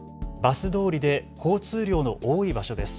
バス通りで交通量の多い場所です。